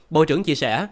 bộ trưởng chia sẻ